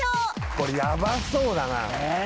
これやばそうだなええー